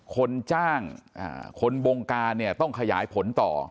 คนจ้างคนบงการเนี่ยต้องขยายผลต่อ